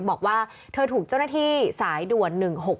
บอกว่าเธอถูกเจ้าหน้าที่สายด่วน๑๖๖